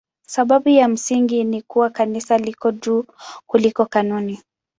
Sababu ya msingi ni kuwa Kanisa liko juu kuliko kanuni.